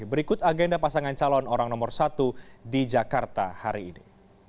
berikut agenda pasangan calon orang nomor satu di jakarta hari ini